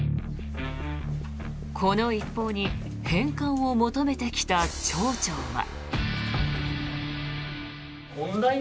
この一報に返還を求めてきた町長は。